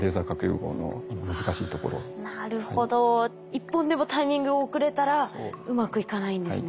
１本でもタイミング遅れたらうまくいかないんですね。